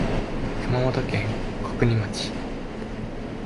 熊本県小国町